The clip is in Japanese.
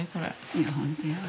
いや本当やわ。